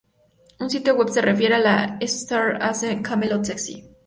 Un sitio web se refiere a que "Starz hace Camelot sexy".